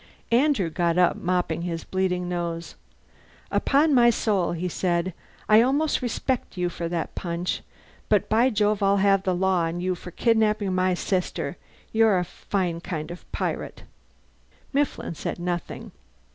Andrew got up, mopping his bleeding nose. "Upon my soul," he said, "I almost respect you for that punch. But by Jove I'll have the law on you for kidnapping my sister. You're a fine kind of a pirate." Mifflin said nothing.